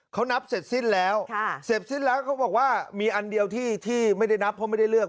เขานับเสร็จสิ้นแล้วเสร็จสิ้นแล้วเขาบอกว่ามีอันเดียวที่ไม่ได้นับเพราะไม่ได้เลือก